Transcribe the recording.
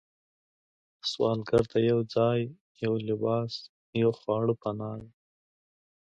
سوالګر ته یو ځای، یو لباس، یو خواړه پناه ده